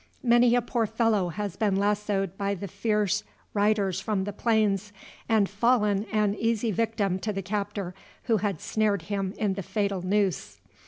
Many a poor fellow has been lassoed by the fierce riders from the plains, and fallen an easy victim to the captor who had snared him in the fatal noose.